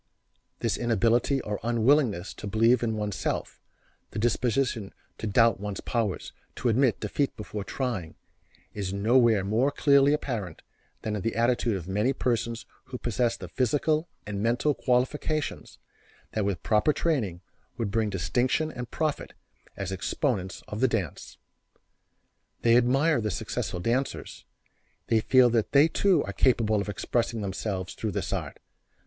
This inability or unwillingness to believe in one's self; the disposition to doubt one's powers, to admit defeat before trying, is nowhere more clearly apparent than in the attitude of many persons who possess the physical and mental qualifications that with proper training would bring distinction and profit as exponents of the dance. They admire the successful dancers; they feel that they too are capable of expressing themselves through this art.